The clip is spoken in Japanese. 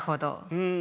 うん。